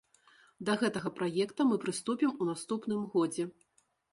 Да гэтага праекта мы прыступім у наступным годзе.